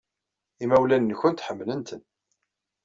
Imawlan-nwent ḥemmlen-ten.